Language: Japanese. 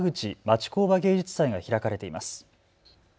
ちこうば芸術祭が開かれています。